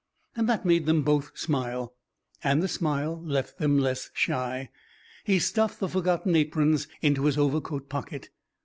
That made them both smile, and the smile left them less shy. He stuffed the forgotten aprons into his overcoat pocket.